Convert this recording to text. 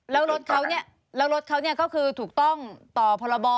แล้วรถเขาเนี่ยก็คือถูกต้องต่อพรบ